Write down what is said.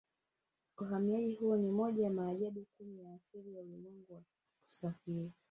Uhamiaji huo ni moja ya maajabu kumi ya asili ya ulimwengu ya kusafiri